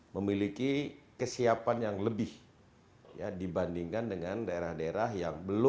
memiliki kesiapan yang lebih dibandingkan dengan daerah daerah yang belum